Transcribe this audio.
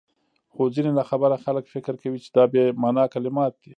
خو ځيني ناخبره خلک فکر کوي چي دا بې مانا کلمات دي،